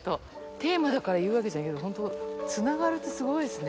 テーマだから言うわけじゃないけど、本当、つながるってすごいですね。